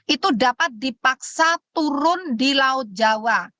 itu dapat dipaksa turun di laut jawa